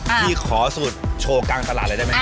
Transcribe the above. พี่ขอสูตรโชว์กลางตลาดเลยได้ไหมครับ